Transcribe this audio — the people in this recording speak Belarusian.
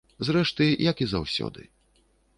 Зрэшты, як і заўсёды.